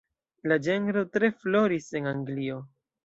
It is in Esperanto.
La ĝenro tre floris en Anglio.